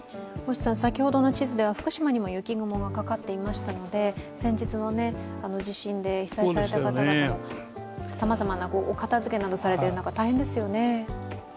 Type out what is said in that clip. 先ほどの地図では福島にも雪雲がかかっていましたので、先日の地震で被災された方々はさまざまな片付け等をされている中、大変ですよね。